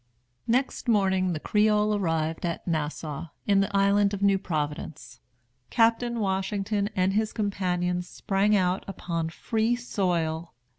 Next morning the Creole arrived at Nassau, in the island of New Providence. Captain Washington and his companions sprang out upon free soil.